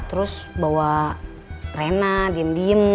terus bawa rena diem diem